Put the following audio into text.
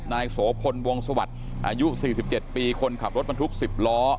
นายโสพลวงสวรรค์อายุสี่สิบเจ็ดปีคนขับรถมันทุกสิบล้อ